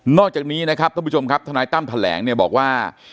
อกจากนี้นะครับท่านผู้ชมครับทนายตั้มแถลงเนี่ยบอกว่า